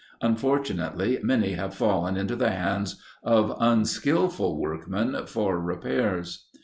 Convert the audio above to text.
Unfortunately many have fallen into the hands of unskilful workmen for repairs.